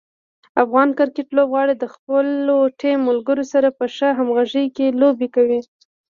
افغان کرکټ لوبغاړي د خپلو ټیم ملګرو سره په ښه همغږي کې لوبې کوي.